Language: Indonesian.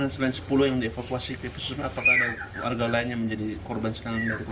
selain sepuluh yang dievakuasi ke pesunan apakah ada warga lain yang menjadi korban sekarang